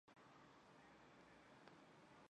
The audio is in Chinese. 卡氏蟹蛛为蟹蛛科蟹蛛属的动物。